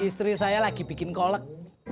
istri saya lagi bikin kolek